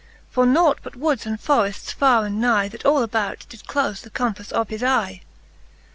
For nought but woods and forrefts farre and nye, That all about did clofe the compaffe of his eye, XXV.